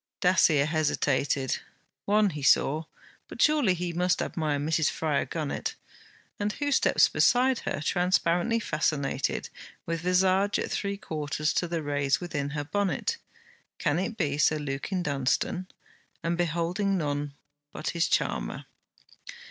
Dacier hesitated. One he saw. But surely he must admire Mrs. Fryar Gunnett? And who steps beside her, transparently fascinated, with visage at three quarters to the rays within her bonnet? Can it be Sir Lukin Dunstane? and beholding none but his charmer!